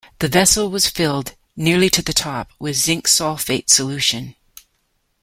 The vessel was filled, nearly to the top, with zinc sulfate solution.